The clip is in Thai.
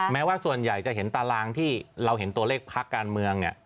แม้ว่าส่วนใหญ่จะเห็นตารางที่เราเห็นตัวเลขพักการเมืองเนี่ย